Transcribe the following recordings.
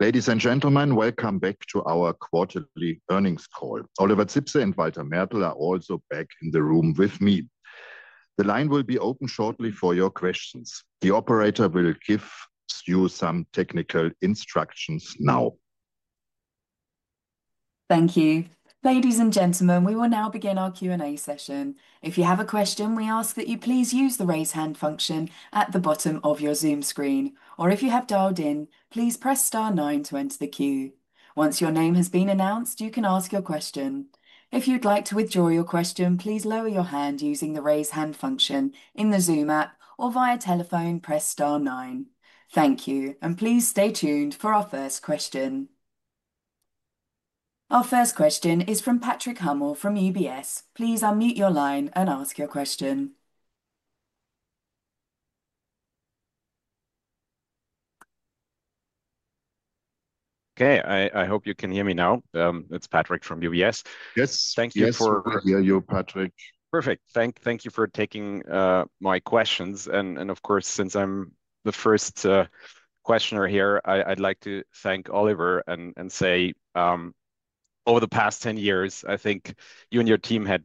Ladies and gentlemen, welcome back to our quarterly earnings call. Oliver Zipse and Walter Mertl are also back in the room with me. The line will be open shortly for your questions. The operator will give you some technical instructions now. Thank you. Ladies and gentlemen, we will now begin our Q&A session. If you have a question, we ask that you please use the raise hand function at the bottom of your Zoom screen. Or if you have dialed in, please press star nine to enter the queue. Once your name has been announced, you can ask your question. If you'd like to withdraw your question, please lower your hand using the raise hand function in the Zoom app or, via telephone, press star nine. Thank you, and please stay tuned for our first question. Our first question is from Patrick Hummel from UBS. Please unmute your line and ask your question. Okay. I hope you can hear me now. It's Patrick from UBS. Yes. Thank you for— Yes, we hear you, Patrick. Perfect. Thank you for taking my questions and of course since I'm the first questioner here, I'd like to thank Oliver and say, over the past 10 years I think you and your team had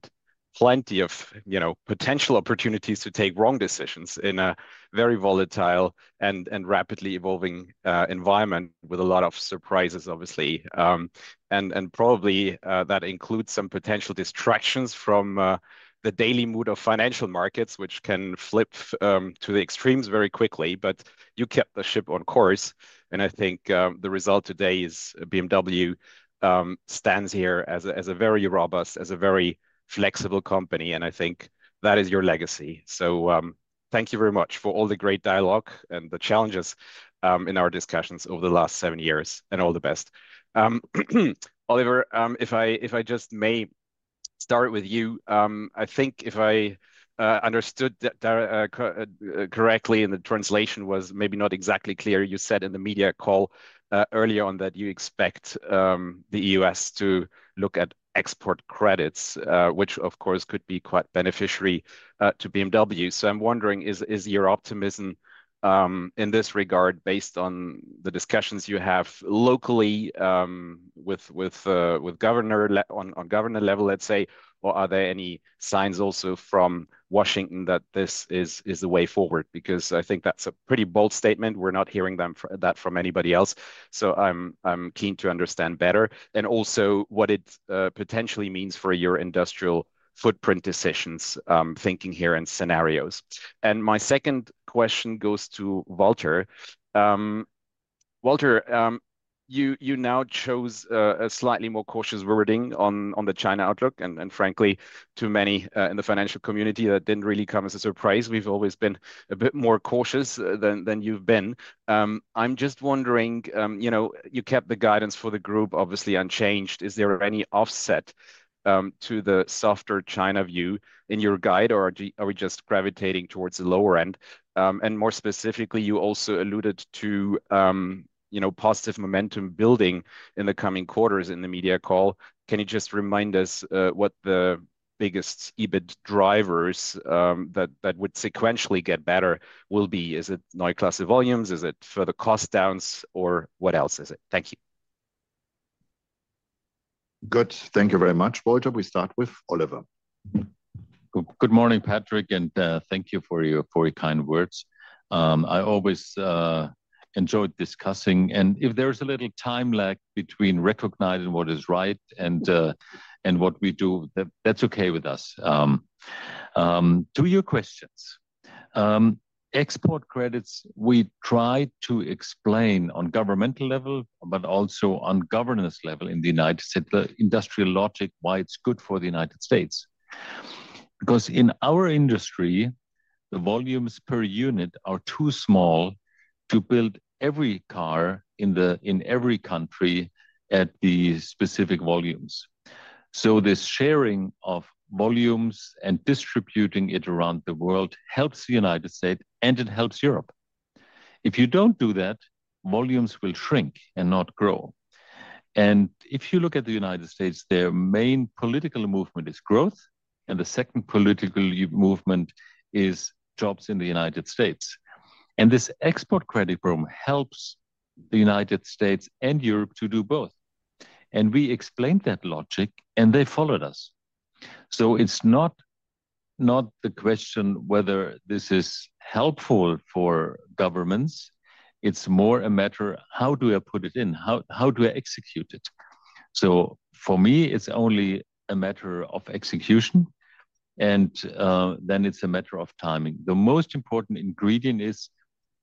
plenty of, you know, potential opportunities to take wrong decisions in a very volatile and rapidly evolving environment with a lot of surprises obviously. Probably that includes some potential distractions from the daily mood of financial markets which can flip to the extremes very quickly. You kept the ship on course, and I think the result today is BMW stands here as a very robust, as a very flexible company, and I think that is your legacy. Thank you very much for all the great dialogue and the challenges in our discussions over the last seven years, and all the best. Oliver, if I just may start with you. I think if I understood correctly, and the translation was maybe not exactly clear, you said in the media call earlier on that you expect the U.S. to look at export credits, which of course could be quite beneficiary to BMW. I'm wondering, is your optimism in this regard based on the discussions you have locally with governor on governor level let's say, or are there any signs also from Washington that this is the way forward? Because I think that's a pretty bold statement. We're not hearing that from anybody else, so I'm keen to understand better and also what it potentially means for your industrial footprint decisions, thinking here, and scenarios. My second question goes to Walter. Walter, you now chose a slightly more cautious wording on the China outlook and frankly to many in the financial community that didn't really come as a surprise. We've always been a bit more cautious than you've been. I'm just wondering, you know, you kept the guidance for the Group obviously unchanged. Is there any offset to the softer China view in your guide, or are we just gravitating towards the lower end? More specifically you also alluded to, you know, positive momentum building in the coming quarters in the media call. Can you just remind us, what the biggest EBIT drivers that would sequentially get better will be? Is it Neue Klasse volumes? Is it further cost downs or what else is it? Thank you. Good. Thank you very much, Walter. We start with Oliver. Good morning, Patrick, and thank you for your kind words. I always enjoyed discussing. If there's a little time lag between recognizing what is right and what we do, that's okay with us. To your questions. Export credits we try to explain on governmental level but also on governance level in the United States, the industrial logic why it's good for the United States. In our industry, the volumes per unit are too small to build every car in every country at the specific volumes. This sharing of volumes and distributing it around the world helps the United States and it helps Europe. If you don't do that, volumes will shrink and not grow. If you look at the United States, their main political movement is growth, and the second political movement is jobs in the United States. This export credit program helps the United States and Europe to do both, and we explained that logic and they followed us. It's not the question whether this is helpful for governments, it's more a matter how do I put it in, how do I execute it? For me, it's only a matter of execution and then it's a matter of timing. The most important ingredient is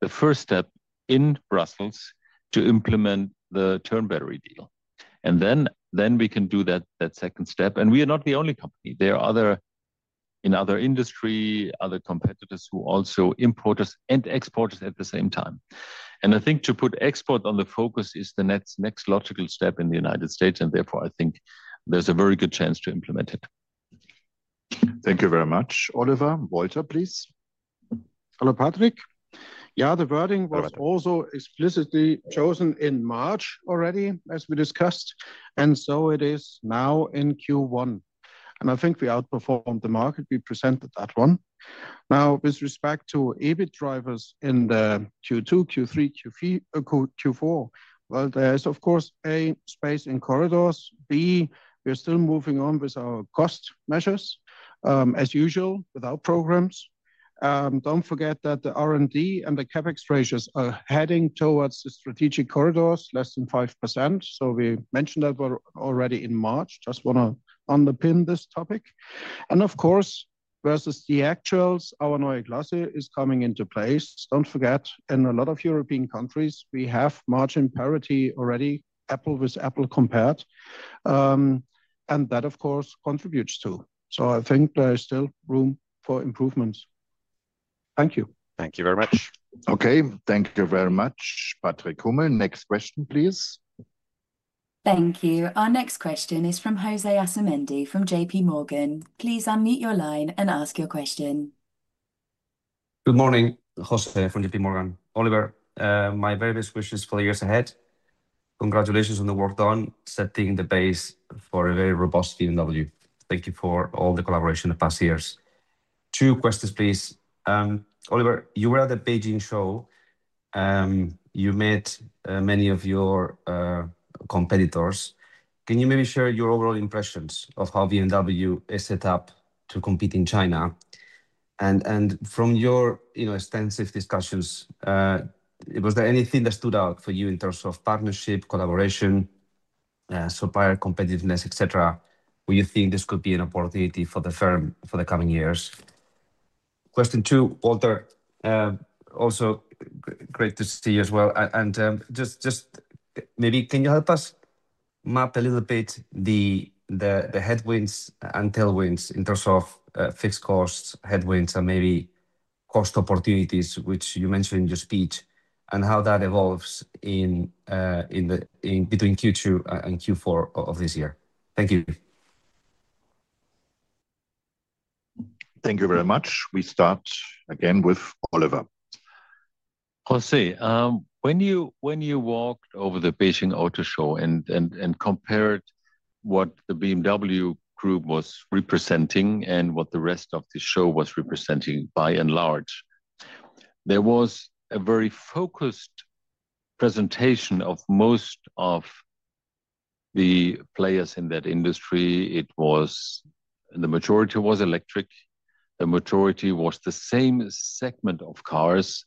the first step in Brussels to implement the [EU Battery Regulation], and then we can do that second step. We are not the only company. There are other, in other industry, other competitors who also import us and export us at the same time. I think to put export on the focus is the net's next logical step in the United States, and therefore I think there's a very good chance to implement it. Thank you very much, Oliver. Walter, please. Hello, Patrick. Yeah, the [wording] was also explicitly chosen in March already, as we discussed, and so it is now in Q1. I think we outperformed the market. We presented that one. Now, with respect to EBIT drivers in the Q2, Q3, Q4, there is, of course, A, space in corridors. B, we're still moving on with our cost measures, as usual with our programs. Don't forget that the R&D and the CapEx ratios are heading towards the strategic corridors, less than 5%. We mentioned that we're already in March. Just wanna underpin this topic. Of course, versus the actuals, our Neue Klasse is coming into place. Don't forget, in a lot of European countries, we have margin parity already, apple with apple compared. That, of course, contributes, too. I think there is still room for improvements. Thank you. Thank you very much. Okay. Thank you very much, Patrick Hummel. Next question, please. Thank you. Our next question is from José Asumendi from JPMorgan. Please unmute your line and ask your question. Good morning. José from JPMorgan. Oliver, my very best wishes for the years ahead. Congratulations on the work done setting the base for a very robust BMW. Thank you for all the collaboration the past years. Two questions, please. Oliver, you were at the Beijing Show. You met many of your competitors. Can you maybe share your overall impressions of how BMW is set up to compete in China? From your, you know, extensive discussions, was there anything that stood out for you in terms of partnership, collaboration, supplier competitiveness, et cetera? Were you think this could be an opportunity for the firm for the coming years? Question two, Walter. Also great to see you as well. Just maybe can you help us map a little bit the headwinds and tailwinds in terms of fixed costs, headwinds, and maybe cost opportunities, which you mentioned in your speech, and how that evolves in between Q2 and Q4 of this year? Thank you. Thank you very much. We start again with Oliver. José, when you, when you walked over the Beijing Auto Show and compared what the BMW Group was representing and what the rest of the show was representing by and large, there was a very focused presentation of most of the players in that industry. The majority was electric. The majority was the same segment of cars.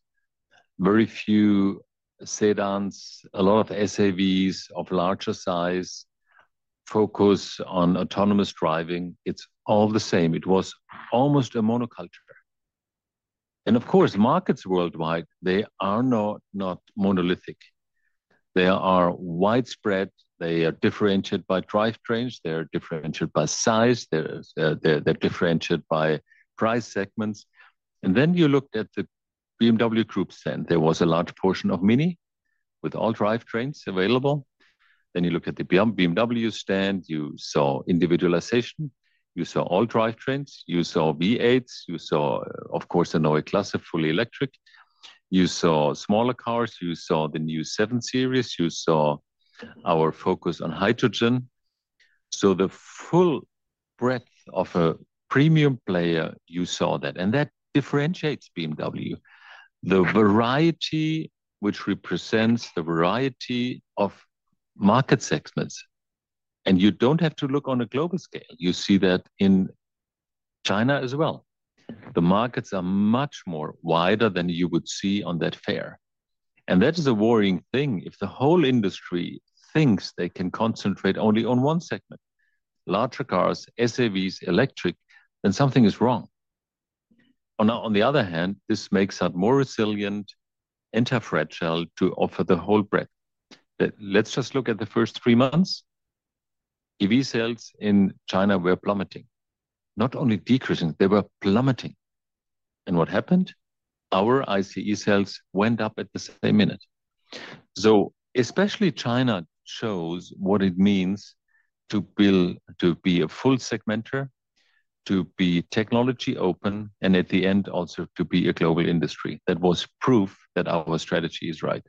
Very few sedans, a lot of SAVs of larger size, focus on autonomous driving. It's all the same. It was almost a monoculture. Of course, markets worldwide, they are not monolithic. They are widespread. They are differentiated by drivetrains. They're differentiated by size. They are differentiated by price segments. Then you looked at the BMW Group stand, there was a large portion of MINI with all drivetrains available. Then you look at the BMW stand, you saw individualization. You saw all drivetrains. You saw V8s. You saw, of course, the Neue Klasse fully electric. You saw smaller cars. You saw the new 7 Series. You saw our focus on hydrogen. The full breadth of a premium player, you saw that, and that differentiates BMW. The variety which represents the variety of market segments. You don't have to look on a global scale. You see that in China as well. The markets are much more wider than you would see on that fair. That is a worrying thing if the whole industry thinks they can concentrate only on one segment, larger cars, SAVs, electric, then something is wrong. On the other hand, this makes us more resilient, and have round cells to offer the whole breadth. Let's just look at the first three months. EV sales in China were plummeting. Not only decreasing, they were plummeting. What happened? Our ICE sales went up at the same minute. Especially China shows what it means to be a full segmenter, to be technology open, and at the end, also to be a global industry. That was proof that our strategy is right.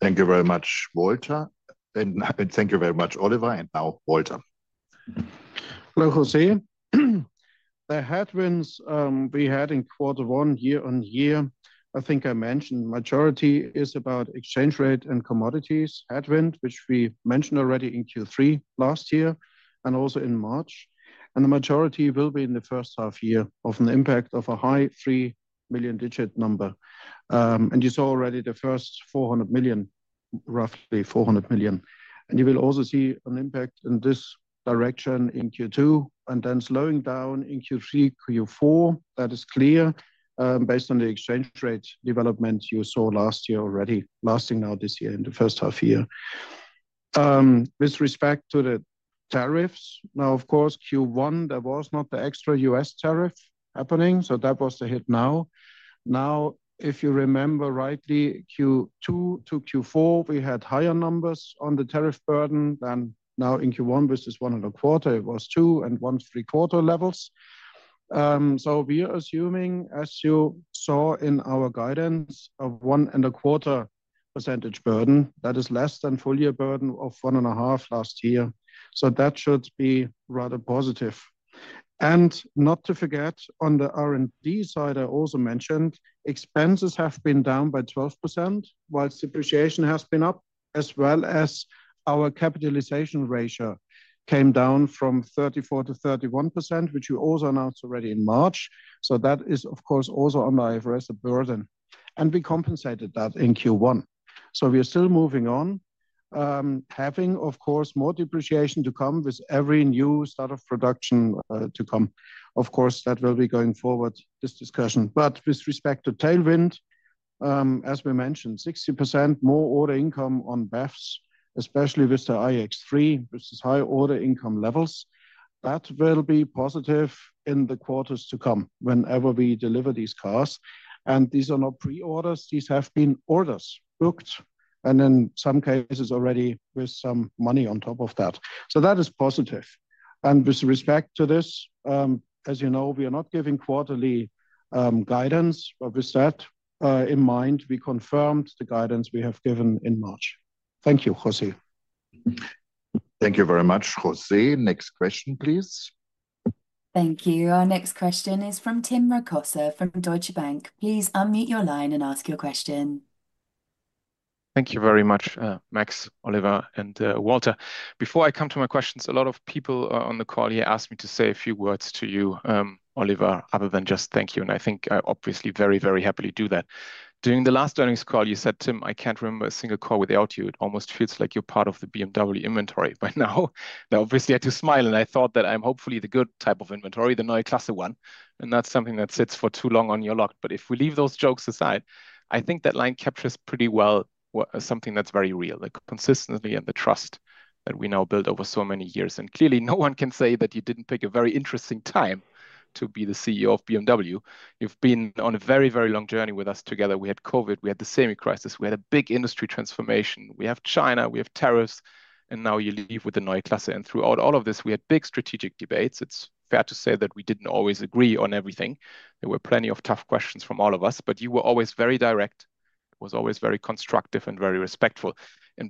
Thank you very much, Walter. Thank you very much, Oliver. Now, Walter. Hello, José. The headwinds we had in Q1 year-on-year, I think I mentioned majority is about exchange rate and commodities headwind, which we mentioned already in Q3 last year and also in March. The majority will be in the first half year of an impact of a high 3 million digit number. You saw already the first 400 million, roughly 400 million. You will also see an impact in this direction in Q2, then slowing down in Q3, Q4. That is clear, based on the exchange rate development you saw last year already, lasting now this year in the first half year. With respect to the tariffs, now, of course, Q1, there was not the extra U.S. tariff happening, so that was the hit now. If you remember rightly, Q2 to Q4, we had higher numbers on the tariff burden than now in Q1, which is 1.25%. It was 2.75 levels. We are assuming, as you saw in our guidance, of 1.25% burden. That is less than full year burden of 1.5% last year. That should be rather positive. Not to forget, on the R&D side, I also mentioned expenses have been down by 12%, while depreciation has been up, as well as our capitalization ratio came down from 34% to 31%, which we also announced already in March. That is, of course, also on my IFRS burden. We compensated that in Q1. We are still moving on, having, of course, more depreciation to come with every new start of production. That will be going forward, this discussion. With respect to tailwind, as we mentioned, 60% more order income on BEVs, especially with the iX3, which is high order income levels. That will be positive in the quarters to come whenever we deliver these cars. These are not pre-orders. These have been orders booked and in some cases already with some money on top of that. That is positive. With respect to this, as you know, we are not giving quarterly guidance. With that in mind, we confirmed the guidance we have given in March. Thank you. José. Thank you very much, José. Next question, please. Thank you. Our next question is from Tim Rokossa from Deutsche Bank. Please unmute your line and ask your question. Thank you very much, Max, Oliver, and Walter. Before I come to my questions, a lot of people on the call here asked me to say a few words to you, Oliver, other than just thank you, and I think I obviously very, very happily do that. During the last earnings call, you said, "Tim, I can't remember a single call without you. It almost feels like you're part of the BMW inventory by now." Obviously, I had to smile, and I thought that I'm hopefully the good type of inventory, the Neue Klasse one, and not something that sits for too long on your lot. If we leave those jokes aside, I think that line captures pretty well something that's very real, the consistency and the trust that we now built over so many years. Clearly, no one can say that you didn't pick a very interesting time to be the CEO of BMW. You've been on a very, very long journey with us together. We had COVID. We had the semi crisis. We had a big industry transformation. We have China. We have tariffs. Now you leave with the Neue Klasse. Throughout all of this, we had big strategic debates. It's fair to say that we didn't always agree on everything. There were plenty of tough questions from all of us. You were always very direct, was always very constructive and very respectful.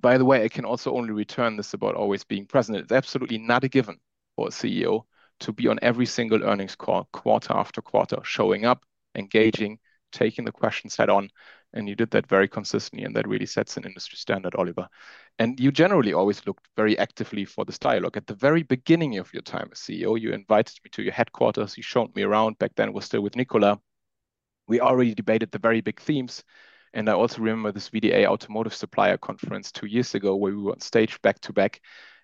By the way, I can also only return this about always being present. It's absolutely not a given for a CEO to be on every single earnings call quarter after quarter, showing up, engaging, taking the questions head on, and you did that very consistently, and that really sets an industry standard, Oliver. You generally always looked very actively for this dialogue. At the very beginning of your time as CEO, you invited me to your headquarters. You showed me around. Back then, it was still with Nicola. We already debated the very big themes. I also remember this VDA Automotive Supplier conference two years ago, where we were on stage back to back.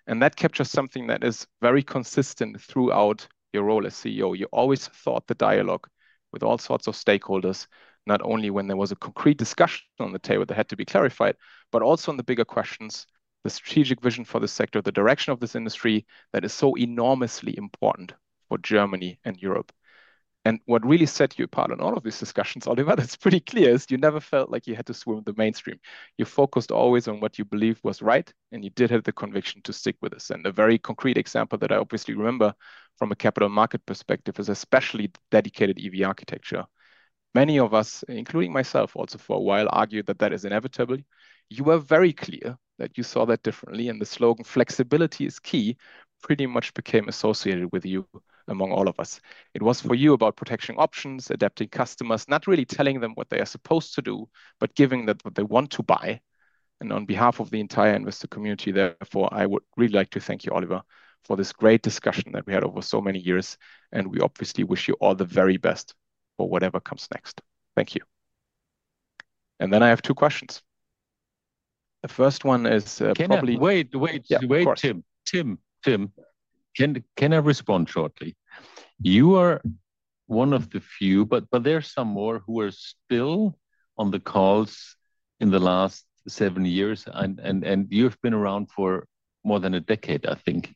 That captures something that is very consistent throughout your role as CEO. You always sought the dialogue with all sorts of stakeholders, not only when there was a concrete discussion on the table that had to be clarified, but also on the bigger questions, the strategic vision for the sector, the direction of this industry that is so enormously important for Germany and Europe. What really set you apart on all of these discussions, Oliver, that's pretty clear, is you never felt like you had to swim the mainstream. You focused always on what you believed was right, and you did have the conviction to stick with this. A very concrete example that I obviously remember from a capital market perspective is especially dedicated EV architecture. Many of us, including myself also for a while, argued that that is inevitable. You were very clear that you saw that differently, and the slogan, "Flexibility is key," pretty much became associated with you among all of us. It was for you about protecting options, adapting customers, not really telling them what they are supposed to do, but giving them what they want to buy. On behalf of the entire investor community, therefore, I would really like to thank you, Oliver, for this great discussion that we had over so many years, and we obviously wish you all the very best for whatever comes next. Thank you. Then I have two questions. The first one is— Can I— Probably— Wait, wait, Tim. Yeah, of course. Tim, can I respond shortly? You are one of the few, but there are some more who are still on the calls in the last seven years and you've been around for more than a decade, I think.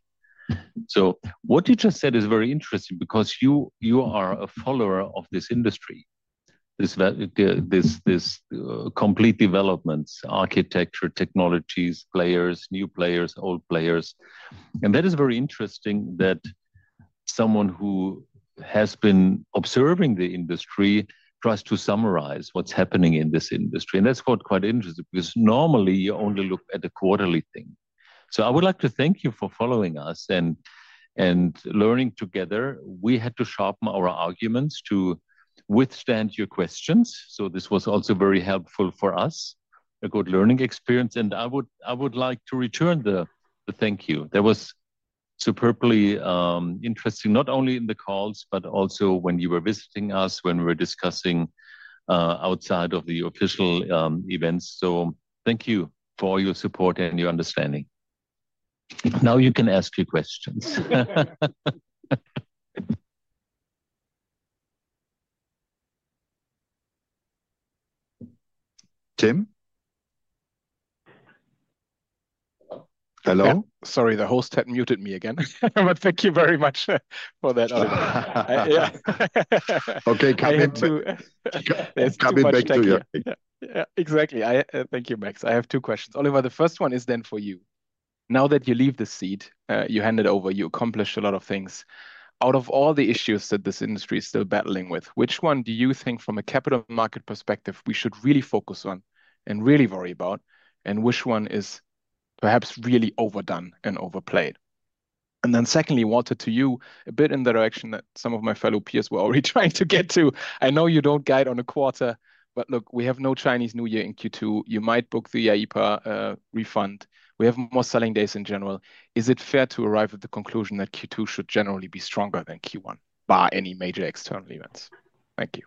What you just said is very interesting because you are a follower of this industry, this complete developments, architecture, technologies, players, new players, old players. That is very interesting that someone who has been observing the industry tries to summarize what's happening in this industry. That's got quite interesting because normally you only look at the quarterly thing. I would like to thank you for following us and learning together. We had to sharpen our arguments to withstand your questions, so this was also very helpful for us, a good learning experience. I would like to return the thank you. That was superbly interesting, not only in the calls, but also when you were visiting us, when we were discussing outside of the official events. Thank you for your support and your understanding. Now you can ask your questions. Tim? Hello? Yeah. Sorry, the host had muted me again. Thank you very much for that, Oliver. Okay, coming— I have two— —coming back to you. There's too much thank you. Yeah, yeah, exactly. I Thank you, Max. I have two questions. Oliver, the first one is for you. Now that you leave the seat, you hand it over, you accomplished a lot of things. Out of all the issues that this industry is still battling with, which one do you think from a capital market perspective we should really focus on and really worry about? And which one is perhaps really overdone and overplayed? Secondly, Walter, to you, a bit in the direction that some of my fellow peers were already trying to get to. I know you don't guide on a quarter. Look, we have no Chinese New Year in Q2. You might book the [IPCEI] refund. We have more selling days in general. Is it fair to arrive at the conclusion that Q2 should generally be stronger than Q1, bar any major external events? Thank you.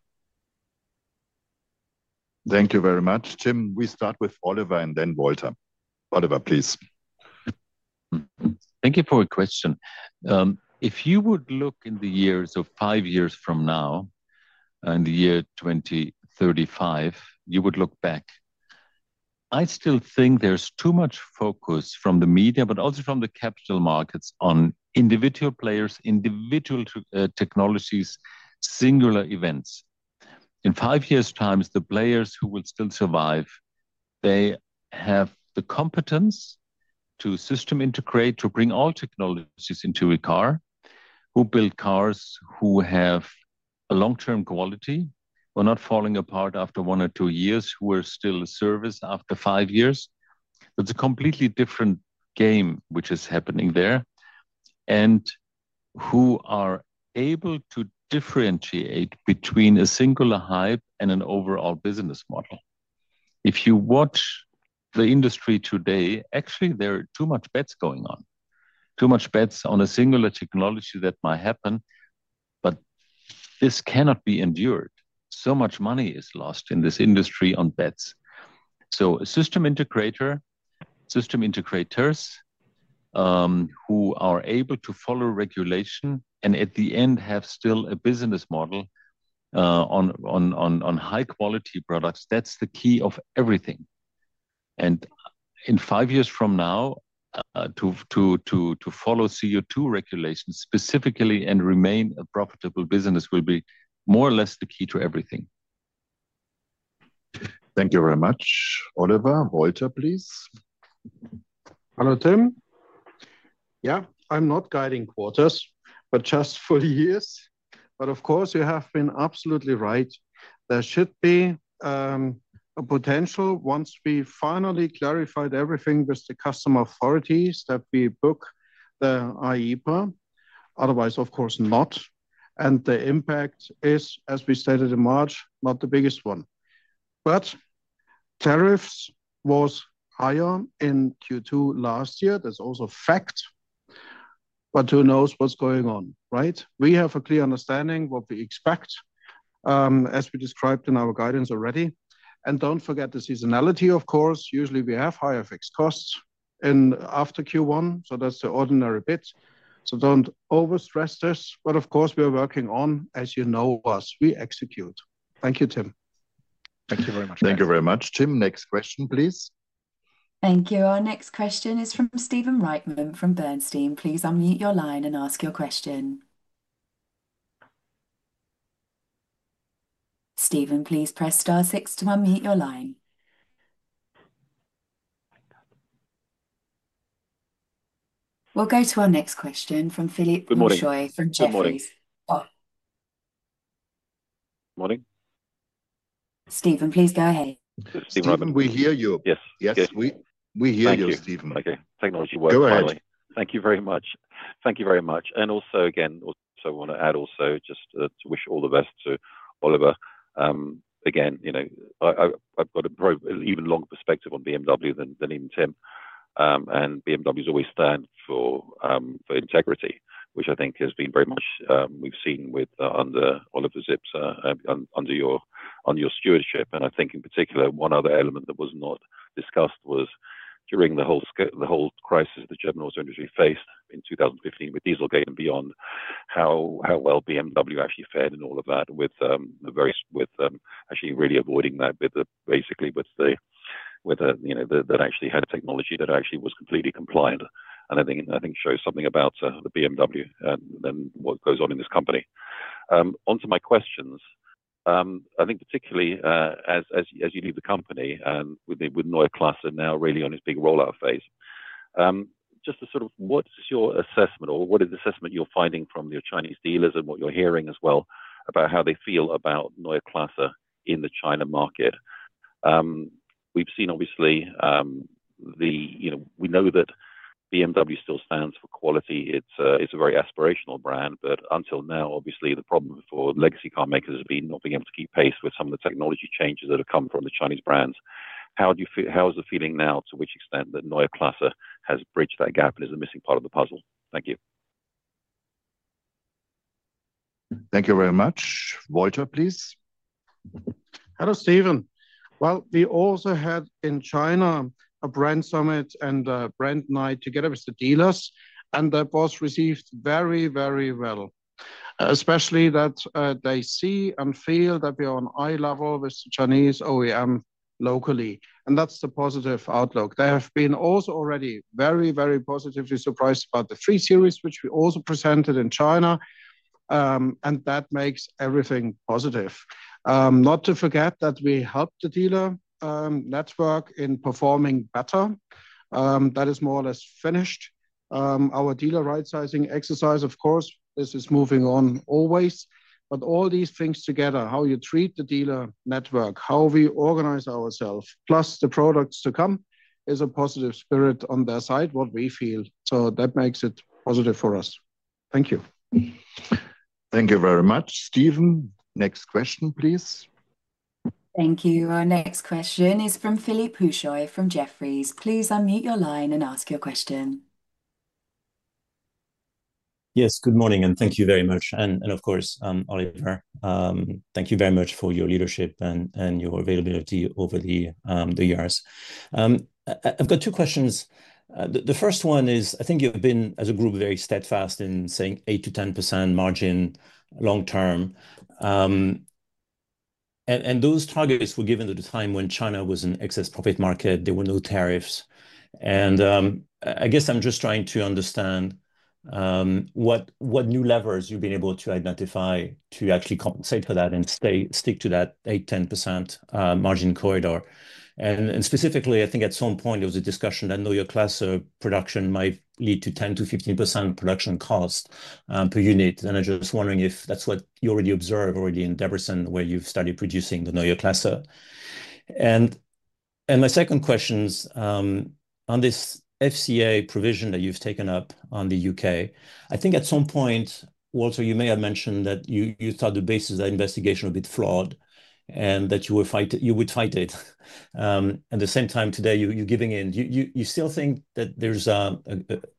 Thank you very much, Tim. We start with Oliver and then Walter. Oliver, please. Thank you for the question. If you would look in the years of five years from now, in the year 2035, you would look back. I still think there's too much focus from the media, but also from the capital markets on individual players, individual technologies, singular events. In five years' times, the players who will still survive, they have the competence to system integrate to bring all technologies into a car. Who build cars who have a long-term quality, who are not falling apart after one or two years, who are still a service after five years. It's a completely different game which is happening there. Who are able to differentiate between a singular hype and an overall business model. If you watch the industry today, actually there are too much bets going on. Too much bets on a singular technology that might happen. This cannot be endured. Much money is lost in this industry on bets. A system integrator, system integrators, who are able to follow regulation and at the end have still a business model on high quality products, that's the key of everything. In five years from now, to follow CO2 regulations specifically and remain a profitable business will be more or less the key to everything. Thank you very much, Oliver. Walter, please. Hello, Tim. I'm not guiding quarters, just for years. Of course, you have been absolutely right. There should be a potential once we finally clarified everything with the custom authorities that we book the [IPCEI]. Otherwise, of course not. The impact is, as we stated in March, not the biggest one. Tariffs was higher in Q2 last year. That's also fact. Who knows what's going on, right? We have a clear understanding what we expect, as we described in our guidance already. Don't forget the seasonality, of course. Usually, we have higher fixed costs in after Q1, so that's the ordinary bit. Don't overstress this, of course, we are working on, as you know us, we execute. Thank you, Tim. Thank you very much. Thank you very much, Tim. Next question, please. Thank you. Our next question is from Stephen Reitman from Bernstein. Please unmute your line and ask your question. Stephen, please press star six to unmute your line. We'll go to our next question from Philippe Houchois— Good morning. Good morning. —from Jefferies. Morning? Stephen, please go ahead. Stephen Reitman. Stephen, we hear you. Yes. Yes. We hear you, Stephen. Thank you. Okay. Technology worked finally. Go ahead. Thank you very much. Thank you very much. Also, again, also wanna add also just to wish all the best to Oliver. Again, you know, I've got a even longer perspective on BMW than even Tim. BMW's always stand for integrity, which I think has been very much we've seen under Oliver Zipse under your, on your stewardship. I think in particular, one other element that was not discussed was during the whole crisis the German auto industry faced in 2015 with Dieselgate and beyond, how well BMW actually fared in all of that with actually really avoiding that with the, basically with the, you know, that actually had technology that actually was completely compliant. I think shows something about the BMW and what goes on in this company. Onto my questions. I think particularly as you leave the company, with the Neue Klasse now really on its big rollout phase, just to sort of what's your assessment or what is the assessment you're finding from your Chinese dealers and what you're hearing as well about how they feel about Neue Klasse in the China market? We've seen obviously, you know, we know that BMW still stands for quality. It's a very aspirational brand, but until now, obviously the problem for legacy car makers has been not being able to keep pace with some of the technology changes that have come from the Chinese brands. How is the feeling now to which extent that Neue Klasse has bridged that gap and is the missing part of the puzzle? Thank you. Thank you very much. Walter, please. Hello, Stephen. We also had in China a brand summit and a brand night together with the dealers, and that was received very, very well, especially that they see and feel that we're on eye level with Chinese OEM locally, and that's the positive outlook. They have been also already very, very positively surprised about the 3 Series, which we also presented in China. That makes everything positive. Not to forget that we helped the dealer network in performing better. That is more or less finished. Our dealer right-sizing exercise, of course, this is moving on always. All these things together, how you treat the dealer network, how we organize ourself, plus the products to come, is a positive spirit on their side, what we feel. That makes it positive for us. Thank you. Thank you very much. Stephen, next question, please. Thank you. Our next question is from Philippe Houchois from Jefferies. Please unmute your line and ask your question. Yes, good morning, and thank you very much. Of course, Oliver, thank you very much for your leadership and your availability over the years. I've got two questions. The first one is, I think you've been, as a Group, very steadfast in saying 8%-10% margin long term. Those targets were given at a time when China was an excess profit market. There were no tariffs. I guess I'm just trying to understand what new levers you've been able to identify to actually compensate for that and stick to that 8%-10% margin corridor. Specifically, I think at some point there was a discussion that Neue Klasse production might lead to 10%-15% production cost per unit. I'm just wondering if that's what you already observe in Debrecen, where you've started producing the Neue Klasse. My second question's on this FCA provision that you've taken up on the U.K. I think at some point, Walter, you may have mentioned that you thought the basis of that investigation a bit flawed, and that you would fight it. At the same time today, you're giving in. You still think that there's a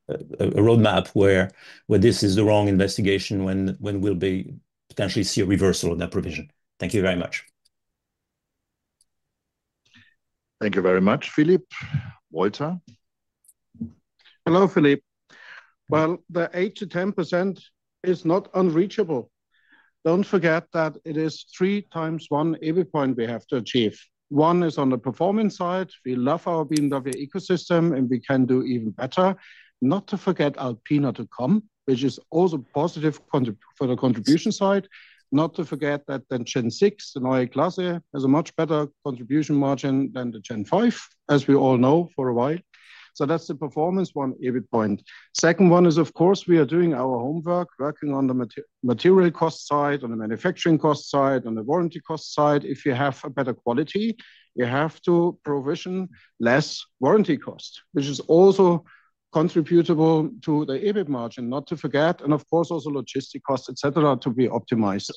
roadmap where this is the wrong investigation, when we'll be potentially see a reversal in that provision? Thank you very much. Thank you very much, Philippe. Walter? Hello, Philippe. Well, the 8%-10% is not unreachable. Don't forget that it is three times 1 EBIT point we have to achieve. One is on the performance side. We love our BMW ecosystem. We can do even better. Not to forget ALPINA to come, which is also positive for the contribution side. Not to forget that the Gen6 Neue Klasse has a much better contribution margin than the Gen5, as we all know for a while. That's the performance 1 EBIT point. Second one is, of course, we are doing our homework, working on the material cost side, on the manufacturing cost side, on the warranty cost side. If you have a better quality, you have to provision less warranty cost, which is also contributable to the EBIT margin. Not to forget, of course, also logistic cost, et cetera, to be optimized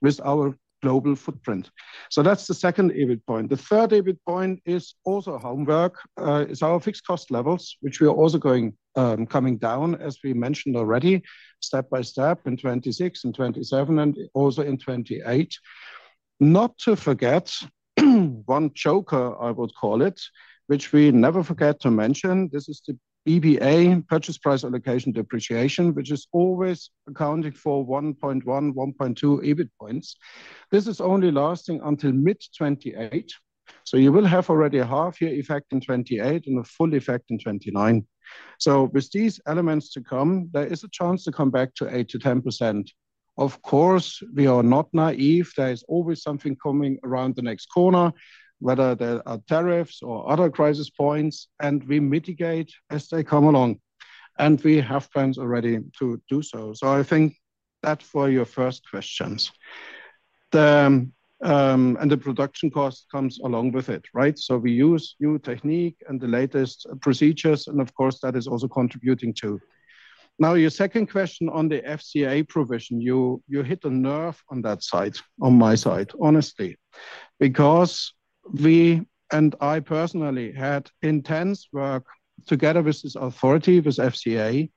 with our global footprint. That's the second EBIT point. The third EBIT point is also homework, is our fixed cost levels, which we are also going, coming down, as we mentioned already, step by step in 2026 and 2027 and also in 2028. Not to forget one choker, I would call it, which we never forget to mention. This is the PPA, purchase price allocation depreciation, which is always accounting for 1.1, 1.2 EBIT points. This is only lasting until mid-2028, you will have already a half-year effect in 2028 and a full effect in 2029. With these elements to come, there is a chance to come back to 8%-10%. Of course, we are not naive. There is always something coming around the next corner, whether there are tariffs or other crisis points, and we mitigate as they come along. We have plans already to do so. I think that for your first questions. The production cost comes along with it, right? We use new technique and the latest procedures, and of course, that is also contributing too. Now, your second question on the FCA provision. You hit a nerve on that side, on my side, honestly. We, and I personally, had intense work together with this authority, with FCA.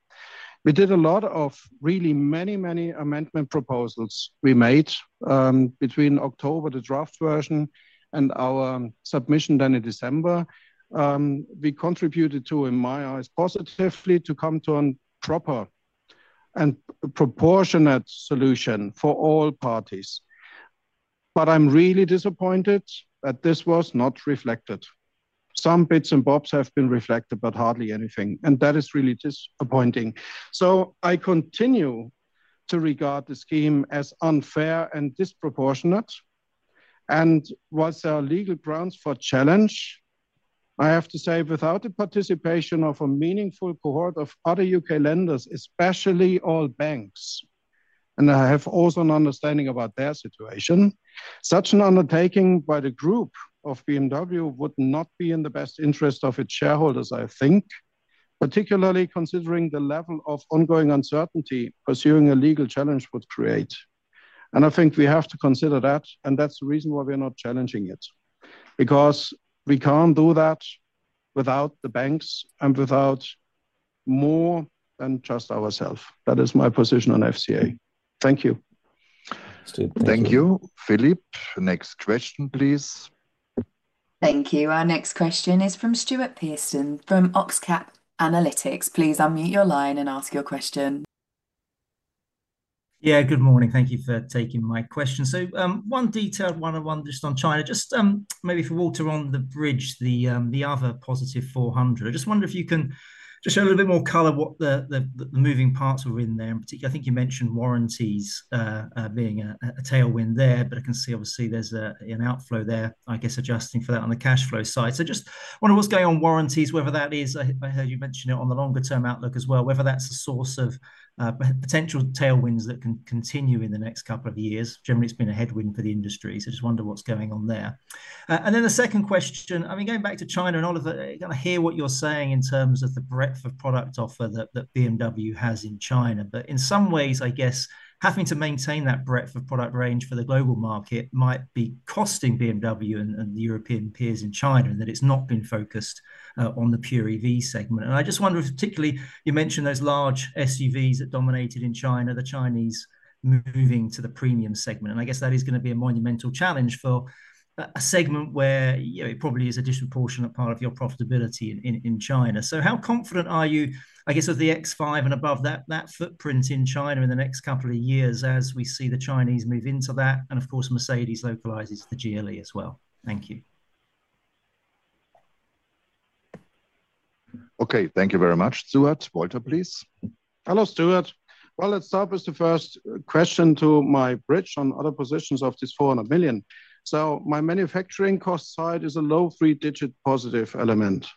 We did a lot of really many amendment proposals we made between October, the draft version, and our submission then in December. We contributed to, in my eyes, positively to come to an proper and proportionate solution for all parties. I'm really disappointed that this was not reflected. Some bits and bobs have been reflected, but hardly anything, and that is really disappointing. I continue to regard the scheme as unfair and disproportionate. Whilst there are legal grounds for challenge, I have to say without the participation of a meaningful cohort of other U.K. lenders, especially all banks, and I have also an understanding about their situation, such an undertaking by the Group of BMW would not be in the best interest of its shareholders, I think. Particularly considering the level of ongoing uncertainty pursuing a legal challenge would create. I think we have to consider that, and that's the reason why we're not challenging it. Because we can't do that without the banks and without more than just ourself. That is my position on FCA. Thank you. Thank you, Philippe. Next question, please. Thank you. Our next question is from Stuart Pearson from Oxcap Analytics. Please unmute your line and ask your question. Good morning. Thank you for taking my question. One detailed one-on-one just on China. Just maybe for Walter on the bridge, the other +400 million. I just wonder if you can just show a little bit more color what the moving parts were in there, in particular. I think you mentioned warranties being a tailwind there, but I can see obviously there's an outflow there, I guess, adjusting for that on the cash flow side. Just wonder what's going on warranties, whether that is I heard you mention it on the longer term outlook as well, whether that's a source of potential tailwinds that can continue in the next couple of years. Generally, it's been a headwind for the industry, just wonder what's going on there. Then the second question, I mean, going back to China, Oliver, gonna hear what you're saying in terms of the breadth of product offer that BMW has in China. In some ways, I guess, having to maintain that breadth of product range for the global market might be costing BMW and the European peers in China, and that it's not been focused on the pure EV segment. I just wonder if particularly you mentioned those large SUVs that dominated in China, the Chinese moving to the premium segment, and I guess that is gonna be a monumental challenge for a segment where, you know, it probably is a disproportionate part of your profitability in China. How confident are you, I guess, of the X5 and above that footprint in China in the next couple of years as we see the Chinese move into that, and of course Mercedes localizes the GLE as well? Thank you. Okay. Thank you very much, Stuart. Walter, please. Hello, Stuart. Let's start with the first question to my bridge on other positions of this 400 million. My manufacturing cost side is a low three-digit positive element.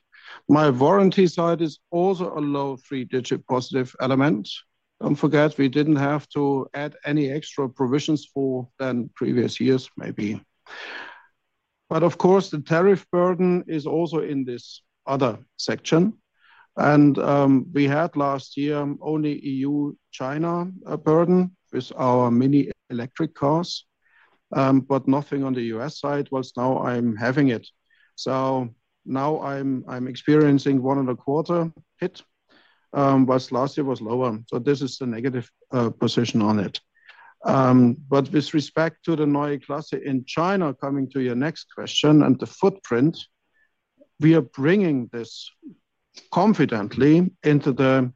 My warranty side is also a low three-digit positive element. Don't forget, we didn't have to add any extra provisions for than previous years maybe. Of course, the tariff burden is also in this other section, and we had last year only EU China burden with our MINI electric cars, but nothing on the U.S. side, whilst now I'm having it. Now I'm experiencing one and a quarter hit, whilst last year was lower. This is the negative position on it. With respect to the Neue Klasse in China, coming to your next question and the footprint, we are bringing this confidently into the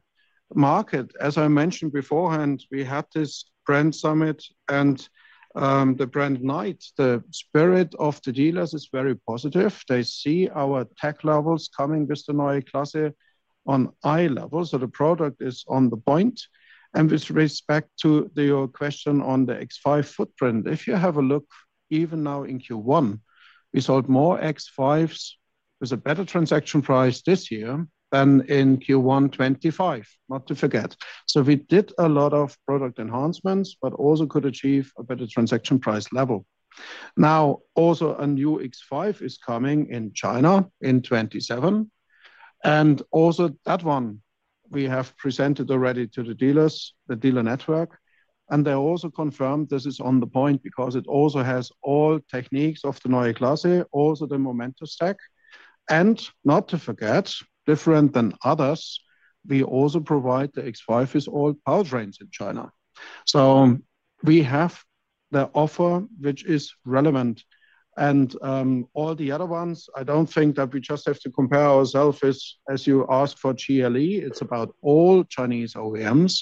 market. As I mentioned beforehand, we had this Brand Summit and the Brand Night. The spirit of the dealers is very positive. They see our tech levels coming with the Neue Klasse on eye level, the product is on the point. With respect to the, your question on the X5 footprint, if you have a look even now in Q1, we sold more X5s with a better transaction price this year than in Q1 2025, not to forget. We did a lot of product enhancements, but also could achieve a better transaction price level. Now, also a new X5 is coming in China in 2027. That one we have presented already to the dealers, the dealer network. And they also confirmed this is on the point because it also has all techniques of the Neue Klasse, also the momentum stack. Not to forget, different than others, we also provide the X5 with all powertrains in China. We have the offer which is relevant and all the other ones, I don't think that we just have to compare ourselves as you ask for GLE. It's about all Chinese OEMs,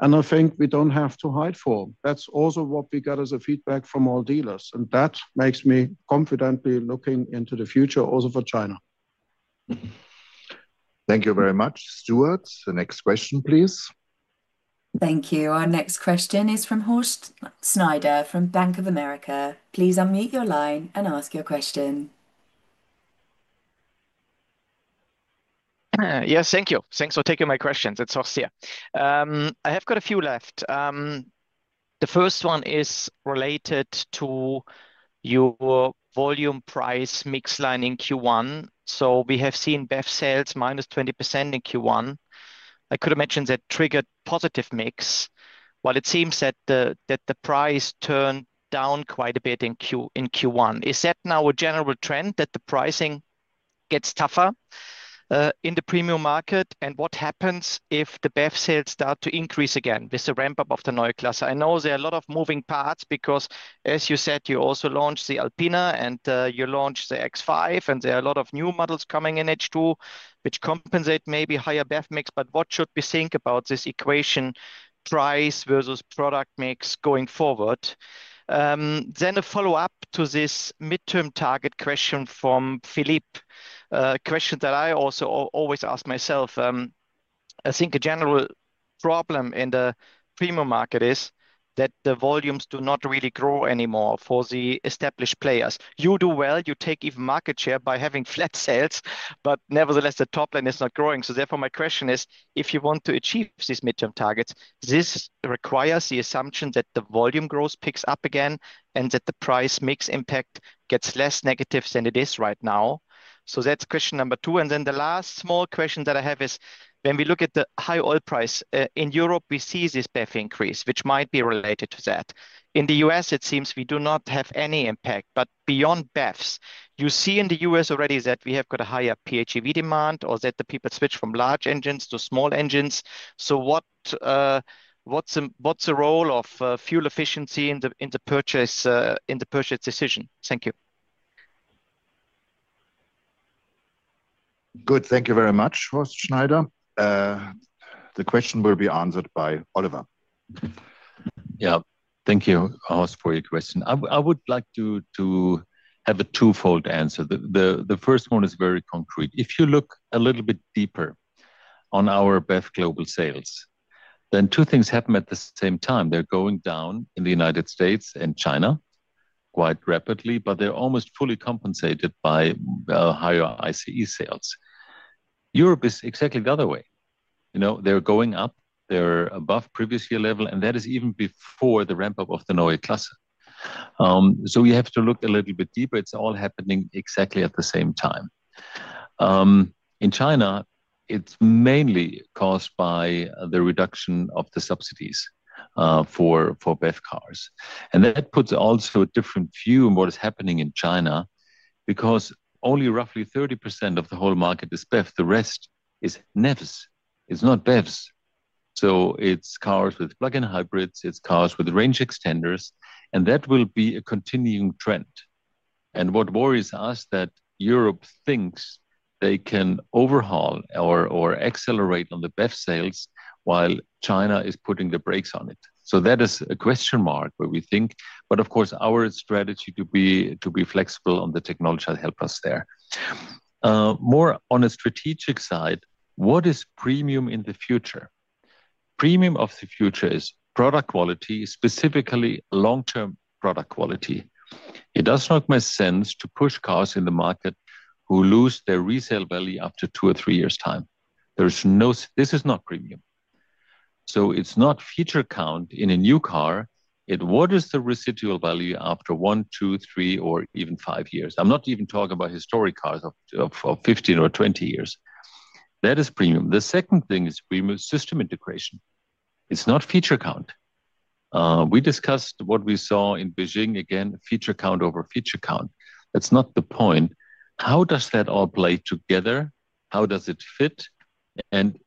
and I think we don't have to hide for. That's also what we got as a feedback from all dealers, and that makes me confidently looking into the future also for China. Thank you very much, Stuart. The next question, please. Thank you. Our next question is from Horst Schneider from Bank of America. Please unmute your line and ask your question. Yes, thank you. Thanks for taking my questions. It's Horst here. I have got a few left. The first one is related to your volume price mix line in Q1. We have seen BEV sales -20% in Q1. I could have mentioned that triggered positive mix, while it seems that the price turned down quite a bit in Q1. Is that now a general trend, that the pricing gets tougher in the premium market? What happens if the BEV sales start to increase again with the ramp-up of the Neue Klasse? I know there are a lot of moving parts because, as you said, you also launched the ALPINA, and you launched the X5, and there are a lot of new models coming in H2 which compensate maybe higher BEV mix. What should we think about this equation, price versus product mix going forward? Then a follow-up to this midterm target question from Philippe, a question that I also always ask myself. I think a general problem in the premium market is that the volumes do not really grow anymore for the established players. You do well. You take even market share by having flat sales, but nevertheless, the top line is not growing. Therefore, my question is, if you want to achieve these midterm targets, this requires the assumption that the volume growth picks up again and that the price mix impact gets less negative than it is right now. That's question number two. The last small question that I have is, when we look at the high oil price in Europe, we see this BEV increase, which might be related to that. In the U.S., it seems we do not have any impact. Beyond BEVs, you see in the U.S. already that we have got a higher PHEV demand or that the people switch from large engines to small engines. What's the role of fuel efficiency in the purchase, in the purchase decision? Thank you. Good. Thank you very much, Horst Schneider. The question will be answered by Oliver. Thank you, Horst, for your question. I would like to have a twofold answer. The first one is very concrete. If you look a little bit deeper on our BEV global sales, two things happen at the same time. They're going down in the United States. and China quite rapidly, but they're almost fully compensated by higher ICE sales. Europe is exactly the other way, you know? They're going up, they're above previous year level, that is even before the ramp-up of the Neue Klasse. We have to look a little bit deeper. It's all happening exactly at the same time. In China, it's mainly caused by the reduction of the subsidies for BEV cars. That puts also a different view on what is happening in China, because only roughly 30% of the whole market is BEV. The rest is NEVs. It's not BEVs. It's cars with plug-in hybrids, it's cars with range extenders, and that will be a continuing trend. What worries us, that Europe thinks they can overhaul or accelerate on the BEV sales while China is putting the brakes on it. That is a question mark where we think. Of course, our strategy to be flexible on the technology will help us there. More on a strategic side, what is premium in the future? Premium of the future is product quality, specifically long-term product quality. It does not make sense to push cars in the market who lose their resale value after two or three years' time. There is no this is not premium. It's not feature count in a new car. What is the residual value after one, two, three or even five years? I'm not even talking about historic cars of 15 or 20 years. That is premium. The second thing is premium system integration. It's not feature count. We discussed what we saw in Beijing again, feature count over feature count. That's not the point. How does that all play together? How does it fit?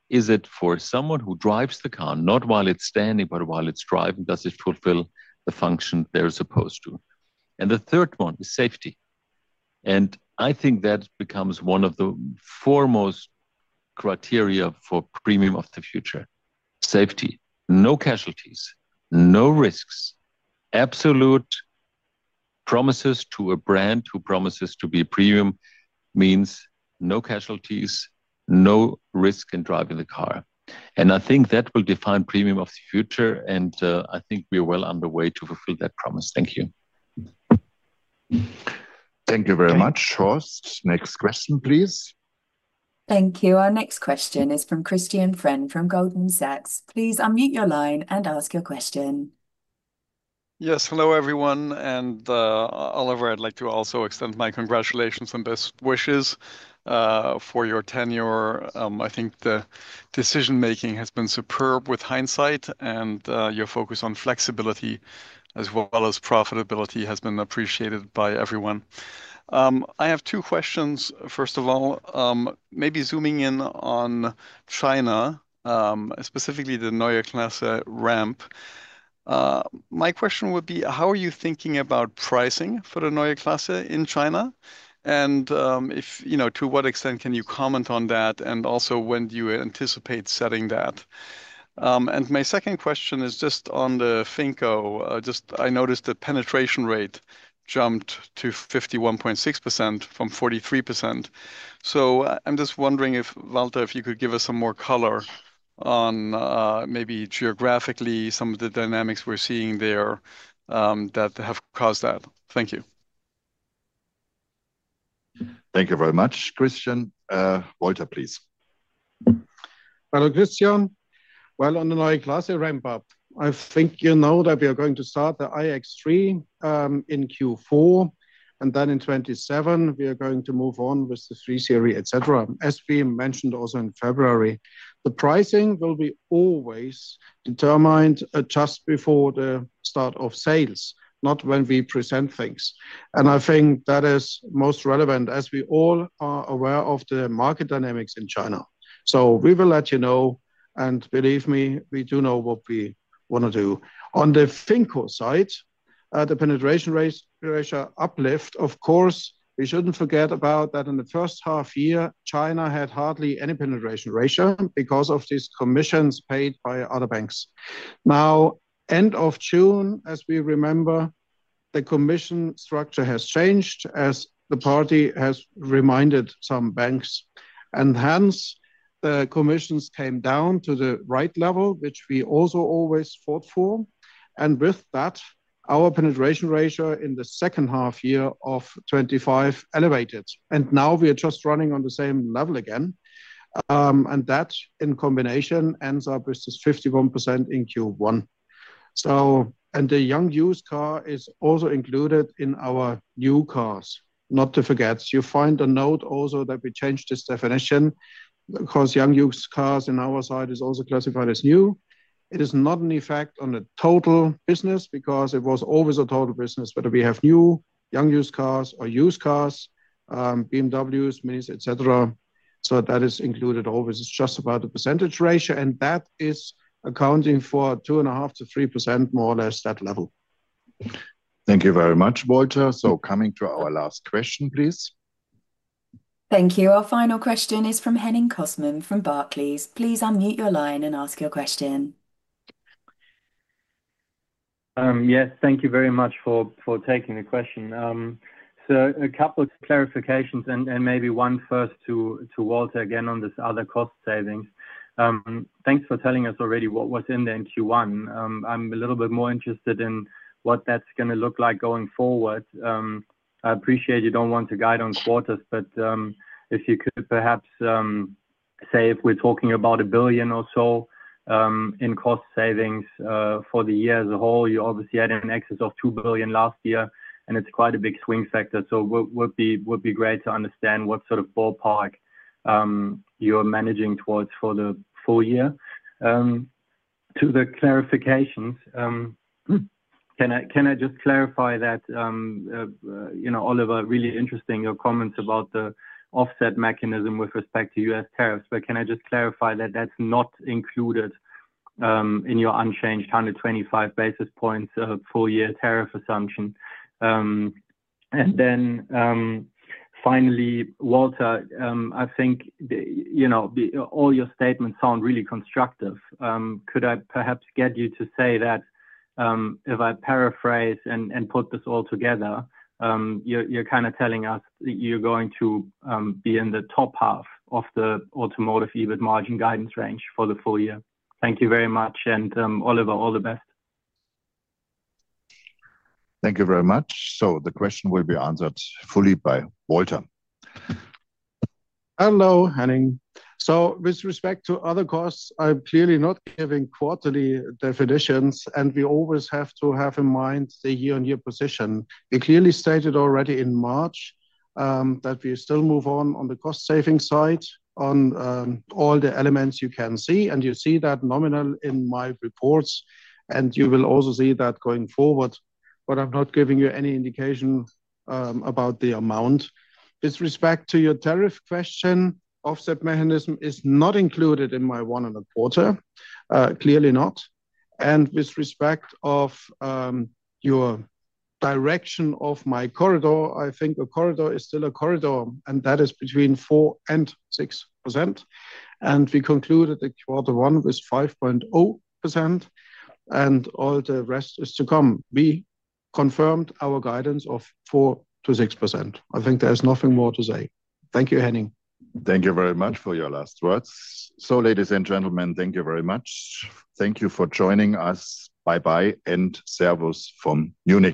Is it for someone who drives the car, not while it's standing, but while it's driving, does it fulfill the function they're supposed to? The third one is safety. I think that becomes one of the foremost criteria for premium of the future. Safety. No casualties, no risks. Absolute promises to a brand who promises to be premium means no casualties, no risk in driving the car. I think that will define premium of the future, I think we're well underway to fulfill that promise. Thank you. Thank you very much, Horst. Next question, please. Thank you. Our next question is from Christian Frenes from Goldman Sachs. Please unmute your line and ask your question. Yes. Hello, everyone. Oliver, I'd like to also extend my congratulations and best wishes for your tenure. I think the decision-making has been superb with hindsight, and your focus on flexibility as well as profitability has been appreciated by everyone. I have two questions. First of all, maybe zooming in on China, specifically the Neue Klasse ramp. My question would be, how are you thinking about pricing for the Neue Klasse in China? If you know, to what extent can you comment on that, and also when do you anticipate setting that? My second question is just on the FinCo. Just I noticed the penetration rate jumped to 51.6% from 43%. I'm just wondering if, Walter, if you could give us some more color on maybe geographically some of the dynamics we're seeing there that have caused that. Thank you. Thank you very much, Christian. Walter, please. Hello, Christian. Well, on the Neue Klasse ramp-up, I think you know that we are going to start the iX3 in Q4. Then in 2027, we are going to move on with the 3 Series, et cetera, as we mentioned also in February. The pricing will be always determined just before the start of sales, not when we present things. I think that is most relevant as we all are aware of the market dynamics in China. We will let you know, and believe me, we do know what we wanna do. On the FinCo side, the penetration ratio uplift, of course, we shouldn't forget about that in the first half year, China had hardly any penetration ratio because of these commissions paid by other banks. End of June, as we remember, the commission structure has changed as the party has reminded some banks, and hence the commissions came down to the right level, which we also always fought for. With that, our penetration ratio in the second half year of 2025 elevated, and now we are just running on the same level again. That in combination ends up with this 51% in Q1. The young used car is also included in our new cars, not to forget. You find a note also that we changed this definition because young used cars in our side is also classified as new. It is not an effect on the total business because it was always a total business, whether we have new, young used cars or used cars, BMWs, MINIs, et cetera. That is included always. It's just about the percentage ratio, and that is accounting for 2.5% to 3% more or less that level. Thank you very much, Walter. Coming to our last question, please. Thank you. Our final question is from Henning Cosman from Barclays. Please unmute your line and ask your question. Yes. Thank you very much for taking the question. A couple of clarifications and maybe one first to Walter again on this other cost savings. Thanks for telling us already what was in the Q1. I'm a little bit more interested in what that's gonna look like going forward. I appreciate you don't want to guide on quarters, but if you could perhaps say if we're talking about 1 billion or so in cost savings for the year as a whole. You obviously had an excess of 2 billion last year, and it's quite a big swing factor. What would be great to understand what sort of ballpark you're managing towards for the full year. To the clarifications, can I just clarify that, you know, Oliver, really interesting, your comments about the offset mechanism with respect to U.S. tariffs. Can I just clarify that that's not included in your unchanged 125 basis points of full year tariff assumption? Finally, Walter, I think, you know, the all your statements sound really constructive. Could I perhaps get you to say that, if I paraphrase and put this all together, you're kind of telling us that you're going to be in the top half of the automotive EBIT margin guidance range for the full year. Thank you very much. Oliver, all the best. Thank you very much. The question will be answered fully by Walter. Hello, Henning. With respect to other costs, I am clearly not giving quarterly definitions, and we always have to have in mind the year-on-year position. We clearly stated already in March that we still move on on the cost-saving side on all the elements you can see, and you see that nominal in my reports, and you will also see that going forward. I am not giving you any indication about the amount. With respect to your tariff question, offset mechanism is not included in my one and a quarter, clearly not. With respect of your direction of my corridor, I think a corridor is still a corridor, and that is between 4% and 6%. We concluded that quarter one was 5.0%, and all the rest is to come. We confirmed our guidance of 4%-6%. I think there is nothing more to say. Thank you, Henning. Thank you very much for your last words. Ladies and gentlemen, thank you very much. Thank you for joining us. Bye-bye, and service from Munich.